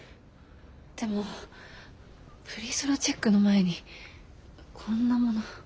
でもプリソロチェックの前にこんなもの。